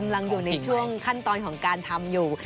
ยังอยู่ในช่วงขั้นตอนของการทำอยู่